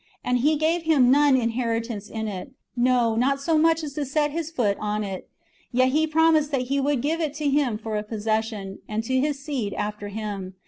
And He gave him none inheritance in it, no, not so much as to set his foot on; yet He promised that He w^ould give it to him for a possession, and to his seed after him.